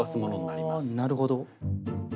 あなるほど。